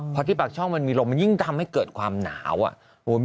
พอที่ปากช่องมันมีลมมันยิ่งทำให้เกิดความหนาวอ่ะ